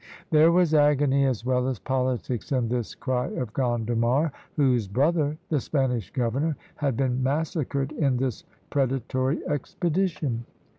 There was agony as well as politics in this cry of Gondomar, whose brother, the Spanish governor, had been massacred in this predatory expedition.